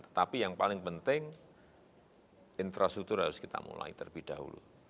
tetapi yang paling penting infrastruktur harus kita mulai terlebih dahulu